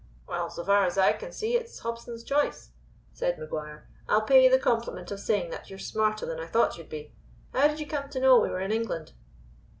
"Well, so far as I can see, it's Hobson's choice," said Maguire. "I'll pay you the compliment of saying that you're smarter than I thought you'd be. How did you come to know we were in England?"